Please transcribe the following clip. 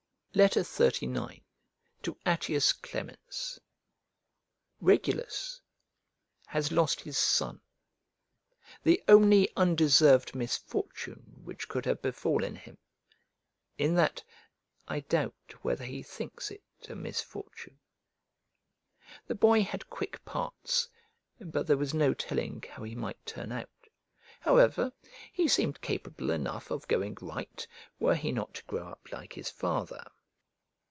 XXXIX To ATTIUS CLEMENS REGULUS has lost his son; the only undeserved misfortune which could have befallen him, in that I doubt whether he thinks it a misfortune. The boy had quick parts, but there was no telling how he might turn out; however, he seemed capable enough of going right, were he not to grow up like his father.